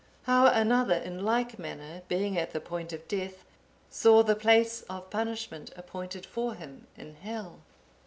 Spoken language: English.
How another in like manner, being at the point of death, saw the place of punishment appointed for him in Hell.